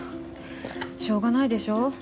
しょうがないでしょ。